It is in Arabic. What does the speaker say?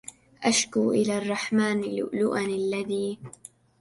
أشكو إلى الرحمن لؤلؤا الذي